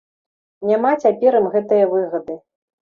Няма цяпер ім гэтае выгады.